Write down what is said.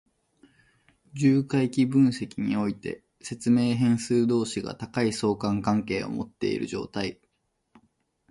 重回帰分析において、説明変数同士が高い相関関係を持っている状態。